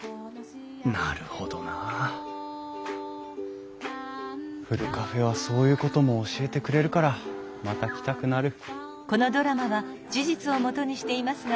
なるほどなあふるカフェはそういうことも教えてくれるからまた来たくなる。